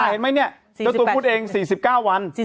เจ้าตัวพูดเอง๔๙วัน